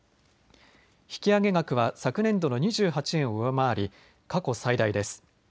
引き上げ額は昨年度の２８円を上回り過去最大です。